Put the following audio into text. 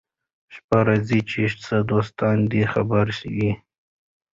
شپه راځي چي څه دوستان دي خبروه يې